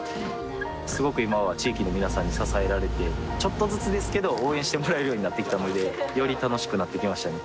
すごく今は地域の皆さんに支えられてちょっとずつですけど応援してもらえるようになってきたのでより楽しくなってきましたね